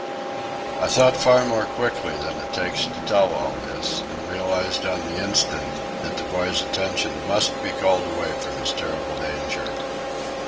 I thought far more quickly than it takes to tell all this, and realized on the instant that the boy's attention must be called away from his terrible danger.